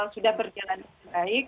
sudah berjalan dengan baik